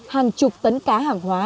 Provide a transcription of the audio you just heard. hàng chục tấn cá hàng hóa